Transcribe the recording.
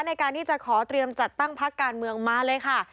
ในการที่จะขอเตรียมจัดตั้งพักการเมืองมาเลยค่ะ